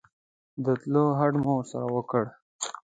د تلو هوډ مو وکړ.